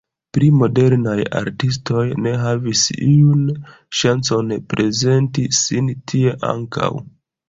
Pli modernaj artistoj ne havis iun ŝancon prezenti sin tie ankaŭ.